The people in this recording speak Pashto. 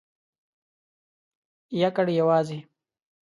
یکړ...یوازی ..